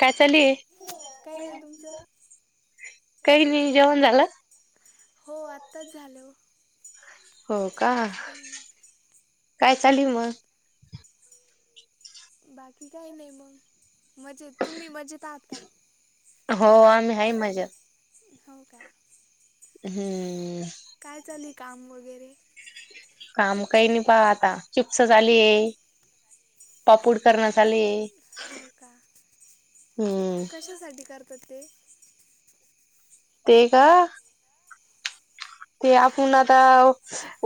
काय चालुय काही नाही तुमचं काही नाही जेवण झालं. हो आत्ताच झालं ओ. हो का काय चालूय मग. बाकी काही नाही मग मजेत तुम्ही मजेत आहा का. हो आम्ही हाय मजेत. हो का. हम्म. काय चालूय काम वगैरे. काम काही नाही पाहा आता चिप्स झालीये. पापूड करण्या आले. हो का हम्म कशासाठी करतात ते. ते का. ते आपुण आताव.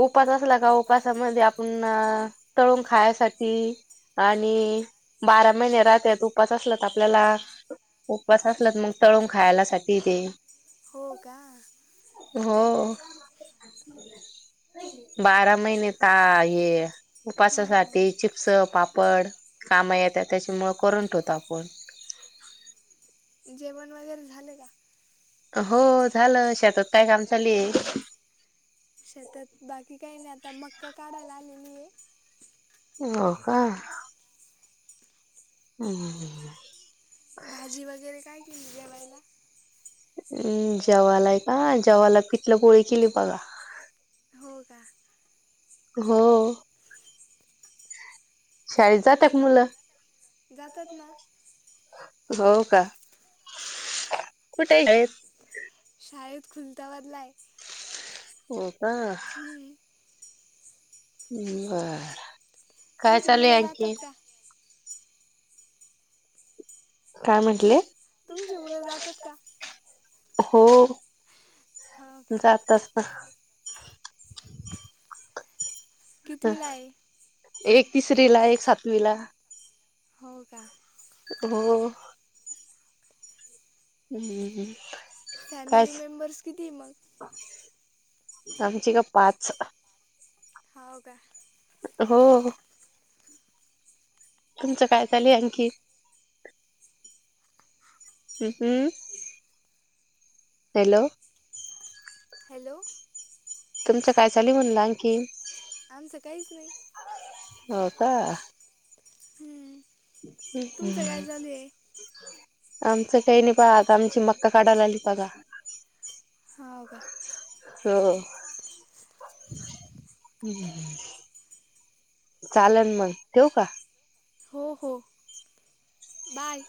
उपास असला का उपासामध्ये आपुण अ तळून खायासाठी. आणि बारा महिने राहत्यात उपास असला त आपल्याला. उपवास असला मग तळून खायलासाठी ते. हो का. हो. [inaudible] बारा महिने ता ये हां उपासासाठी हां चिप्स पापड. काम येथेत त्याच्यामुंळ करून ठेवतो आपण. जेवण वगैरे झाले का. हो झालं शेतात काय काम चालूये. शेतात बाकी काही नाही आता मका काढायला आलेली आहे. हो का. हम-हम हम्म हम्म. भाजी वगैरे काय केली जेवायला. हम्म जेवालाय काय जेवाला पिटलं पोळी केली बघा. हो का. हो ओ. शाळेत जाताक मुलं. जातात ना. हो का कुठे. [unintelligible] शाळेत खुलताबादला आहे. हो का. हम्म. बरं काय तुमचे चालूय मुलं आणखीन. जातात का काय म्हटले. तुमचे मुलं जातात का [unintelligible] हो हो का जाता. [unintelligible] हं, कितवीला आहे एक तिसरीला-एक सातवीला. हो का. हो. हम्म हम्म. फॅमिली मेंबर्स कितीय मग? आमची का पाच हाव का. हो. तुमचं काय चाले आणंखी? हम्म हम्म, हॅलो! हॅलो. तुमच काय चालीय म्हणलं आणखी? आमचं काहीच नाही. हो का हम्म. ह् तुमचं काय हं. चालू आहे आमचं काही नाही पहा, आता आमची मक्का काढायला आली बघा. होव का. हो. हम्म, चालल मग ठिव का? हो हो बाय.